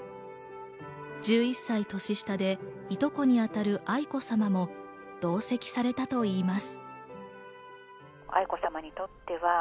１１歳年下でいとこに当たる愛子さまも同席されたといいます。